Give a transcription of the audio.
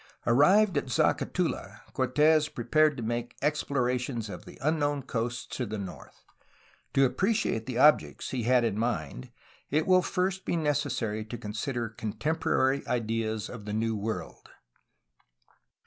Arrived at Zacatula, Cortes prepared to make explorations of the unknown coasts to the north. To appreciate the objects he had in mind it will first be necessary to consider contemporary ideas of the New World.